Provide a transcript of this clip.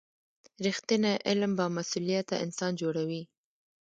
رښتینی علم بامسؤلیته انسان جوړوي.